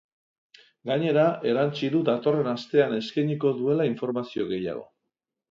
Gainera, erantsi du datorren astean eskainiko duela informazio gehiago.